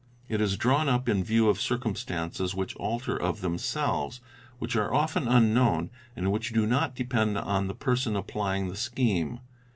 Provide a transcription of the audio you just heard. It is drawn up in view of circumstances which alter of themselves, which are often unknown, and which do not depend on the person applying the scheme.